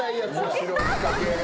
面白い仕掛け。